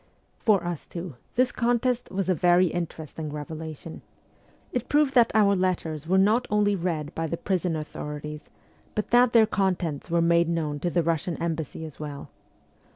For us two, this contest was a very interesting revelation. It proved that our letters were not only read by the prison authorities, but that their contents were made known to the Russian embassy as well.